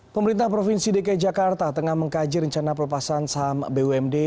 pemerintah provinsi dki jakarta tengah mengkaji rencana pelepasan saham bumd